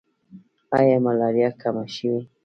آیا ملاریا کمه شوې؟